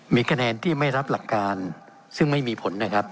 มีคะแนนที่ไม่รับหลักการซึ่งไม่มีผลนะครับ